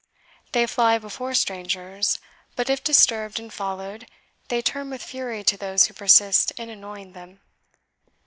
They fly before strangers; but if disturbed and followed, they turn with fury on those who persist in annoying them.